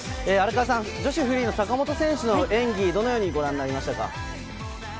荒川さん、女子フリーの坂本選手の演技、どのようにご覧になりましたか？